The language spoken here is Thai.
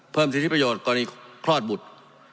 สิทธิประโยชน์กรณีคลอดบุตร